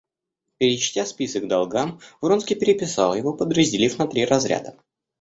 Перечтя список долгам, Вронский переписал его, подразделив на три разряда.